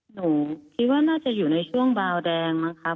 หนูคิดว่าน่าจะอยู่ในช่วงบาวแดงมั้งครับ